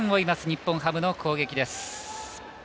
日本ハムの攻撃です。